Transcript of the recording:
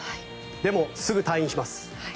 でも、すぐに退院します。